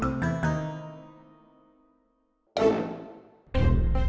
tunggu aku mau ke toilet